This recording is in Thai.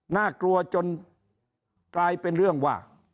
น่ากลัวจนกลายเป็นเรื่องว่า